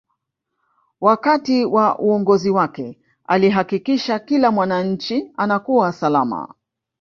wakati wa uongozi wake alihakikisha kila mwananchi anakuwa salama